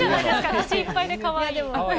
口いっぱいでかわいい。